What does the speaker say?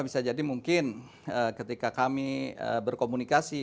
bisa jadi mungkin ketika kami berkomunikasi